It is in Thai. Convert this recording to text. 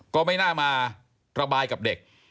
ก็ไม่น่ามาระบายกับเด็ก